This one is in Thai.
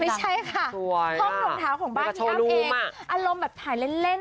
ไม่ใช่ค่ะห้องรองเท้าของบ้านพี่อ้ำเองอารมณ์แบบถ่ายเล่น